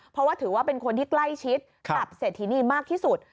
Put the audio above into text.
เพราะว่าถือว่าเป็นคนที่ใกล้ชิดกับเศรษฐินีมากที่สุด